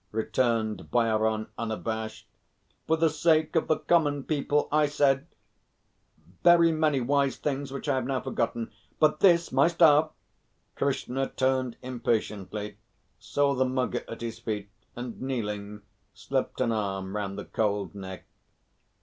returned Bhairon, unabashed. "For the sake of the Common People I said very many wise things which I have now forgotten, but this my staff " Krishna turned impatiently, saw the Mugger at his feet, and kneeling, slipped an arm round the cold neck.